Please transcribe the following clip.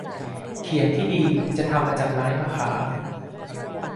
เขียงที่ดี จะทำมาจากไม้มะขาม